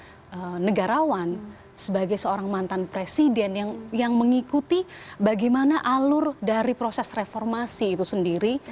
dan juga sebagai seorang negarawan sebagai seorang mantan presiden yang mengikuti bagaimana alur dari proses reformasi itu sendiri